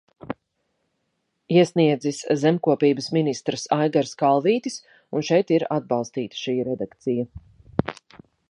Iesniedzis zemkopības ministrs Aigars Kalvītis, un šeit ir atbalstīta šī redakcija.